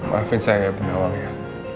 maafin saya bunda wang ya